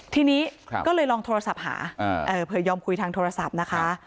ทีนี้ก็เลยลองโทรศัพท์หาเผื่อยอมคุยทางโทรศัพท์นะคะ